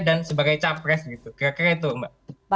dan sebagai capres kira kira itu mbak